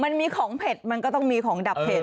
มันมีของเผ็ดมันก็ต้องมีของดับเผ็ด